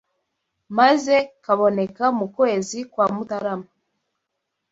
maze kaboneka mu kwezi kwa Mutarama